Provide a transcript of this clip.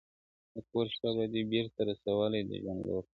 د ګور شپه به دي بیرته رسولای د ژوند لور ته.